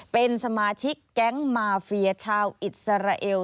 เป็นสมาชิกแก๊งมาเฟียชาวอิสราเอล